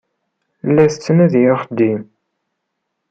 La tettnadi axeddim.